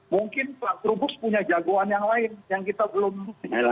mungkin pak trubus punya jagoan yang lain yang kita belum